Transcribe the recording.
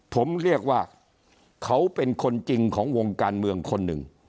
ผมเรียกว่าเขาเป็นคนจริงของวงการเมืองคนหนึ่ง